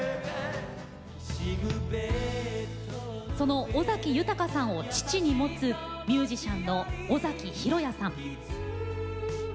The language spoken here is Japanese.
その尾崎豊さんを父に持つミュージシャンの尾崎裕哉さん。